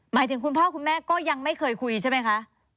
หมายถึงคุณพ่อคุณแม่ก็ยังไม่เคยคุยใช่ไหมคะ